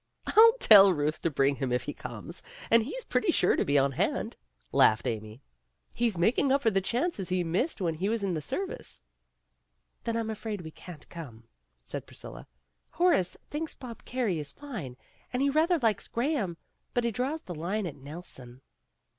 "I'll tell Ruth to bring him if he comes, and he's pretty sure to be on hand," laughed Amy. "He's making up for the chances he missed when he was in the service." "Then I'm afraid we can't come," said Priscilla. "Horace thinks Bob Carey is fine, and he rather likes Graham, but he draws the line at Nelson."